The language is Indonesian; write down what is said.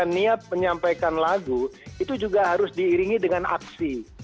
dan lagu itu juga harus diiringi dengan aksi